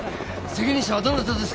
責任者はどなたですか？